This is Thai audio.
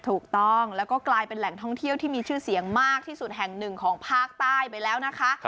ถูกต้องแล้วก็กลายเป็นแหล่งท่องเที่ยวที่มีชื่อเสียงมากที่สุดแห่งหนึ่งของภาคใต้ไปแล้วนะคะ